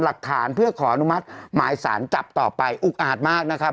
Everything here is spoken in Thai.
หลักฐานเพื่อขออนุมัติหมายสารจับต่อไปอุกอาจมากนะครับ